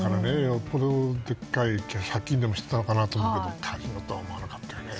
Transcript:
よっぽどでかい借金でもしてたのかなと思うけどカジノとは思わなかったよね。